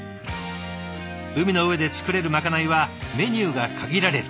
海の上で作れるまかないはメニューが限られる。